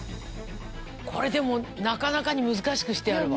これでもなかなかに難しくしてあるわ。